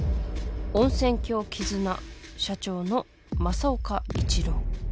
温泉郷絆社長の政岡一郎。